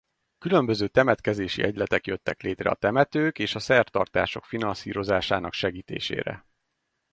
Különböző temetkezési egyletek jöttek létre a temetők és a szertartások finanszírozásának segítésére.